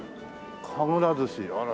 神楽寿司あら